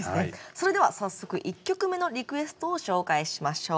それでは早速１曲目のリクエストを紹介しましょう。